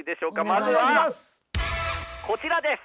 まずはこちらです！